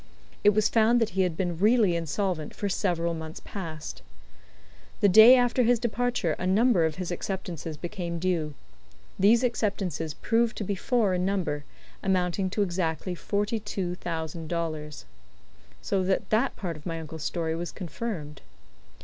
It was found that he had been really insolvent for several months past. The day after his departure a number of his acceptances became due. These acceptances proved to be four in number, amounting to exactly forty two thousand dollars. So that that part of my uncle's story was confirmed.